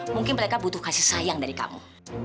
mungkin mereka butuh kasih sayang dari kamu